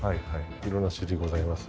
色んな種類ございます。